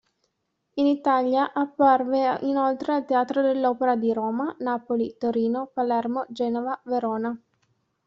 In Italia apparve inoltre al Teatro dell'Opera di Roma, Napoli, Torino, Palermo, Genova, Verona.